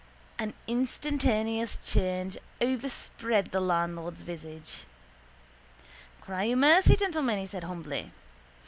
An instantaneous change overspread the landlord's visage. —Cry you mercy, gentlemen, he said humbly.